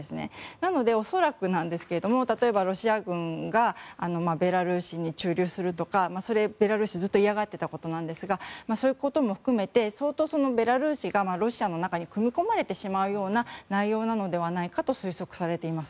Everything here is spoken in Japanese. なので恐らくなんですけれども例えばロシア軍がベラルーシに駐留するとかそれは、ベラルーシはずっと嫌がってたことなんですがそういうことも含めて相当ベラルーシがロシアの中に組み込まれてしまうような内容なのではないかと推測されています。